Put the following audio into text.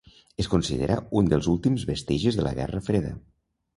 Es considera un dels últims vestigis de la Guerra freda.